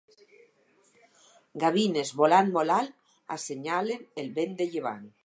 Gavines volant molt alt assenyalen el vent de llevant.